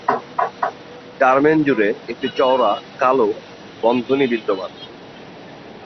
Term end জুড়ে একটি চওড়া কালো বন্ধনী বিদ্যমান।